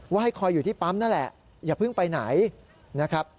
ว่าให้คอยอยู่ที่ปั๊มนั่นแหละอย่าเพิ่งไปไหน